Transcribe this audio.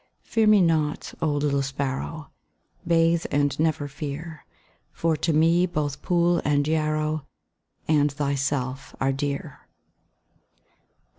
Fear me not, oh little sparrow, Bathe and never fear, For to me both pool and yarrow And thyself are dear.